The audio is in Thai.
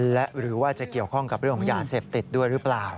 และหรือว่าจะเกี่ยวข้องกับเรื่องของยาเสพติดด้วยหรือเปล่า